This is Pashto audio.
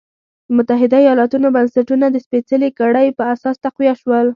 د متحده ایالتونو بنسټونه د سپېڅلې کړۍ پر اساس تقویه شول.